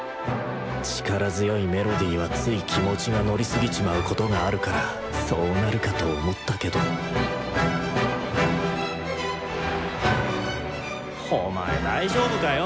力強いメロディーはつい気持ちが乗りすぎちまうことがあるからそうなるかと思ったけどお前大丈夫かよ？